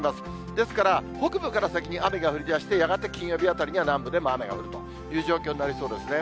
ですから、北部から先に雨が降りだして、やがて金曜日あたりには南部でも雨が降るという状況になりそうですね。